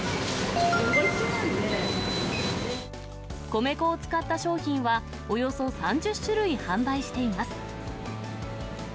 米粉を使った商品は、およそ３０種類販売しています。